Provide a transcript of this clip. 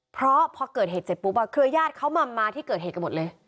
เพราะพอเกิดเหตุเสร็จปุ๊บเครือญาติเขามาที่เกิดเหตุกันหมดเลย